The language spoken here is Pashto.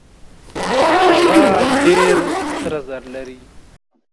هغه ډېر سره زر لري.